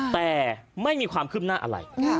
แต่ไม่มีความคืบหน้าอะไร